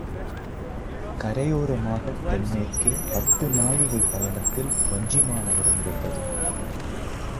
கரையோரமாகத் தென்மேற்கே பத்து நாழிகைப் பயணத்தில் வஞ்சிமாநகரம் இருந்தது.